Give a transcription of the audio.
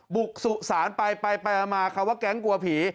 สุสานไปไปมาคำว่าแก๊งกลัวผี